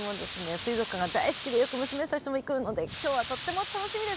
水族館が大好きでよく娘たちとも行くので今日はとっても楽しみです。